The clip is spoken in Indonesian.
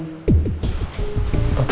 maaf pak bu